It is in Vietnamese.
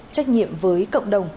trách nhiệm với cộng đồng